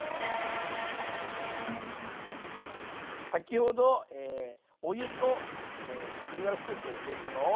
先ほどお湯と鶏ガラスープ入れたのを。